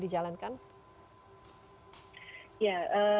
apa yang akan dijalankan